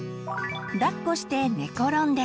だっこして寝転んで。